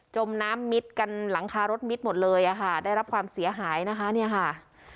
มน้ำมิดกันหลังคารถมิดหมดเลยอ่ะค่ะได้รับความเสียหายนะคะเนี่ยค่ะ